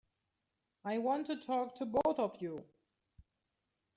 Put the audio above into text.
I want to talk to both of you.